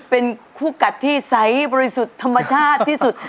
เป็นคู่กัดที่ใสบริสุทธิ์ธรรมชาติที่สุด